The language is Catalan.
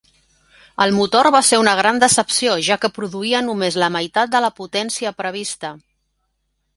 El motor va ser una gran decepció, ja que produïa només la meitat de la potència prevista.